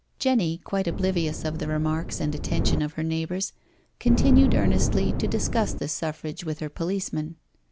Jenny, quite oblivious of the remarks and attention of her neighbours, continued earnestly to discuss the Suffrage with her policeman.